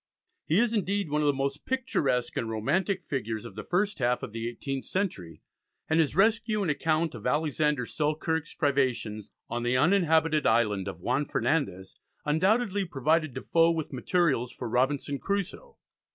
He is, indeed, one of the most picturesque and romantic figures of the first half of the eighteenth century, and his rescue and account of Alexander Selkirk's privations on the uninhabited island of Juan Fernandez undoubtedly provided Defoe with materials for "Robinson Crusoe."